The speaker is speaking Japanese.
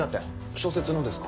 小説のですか？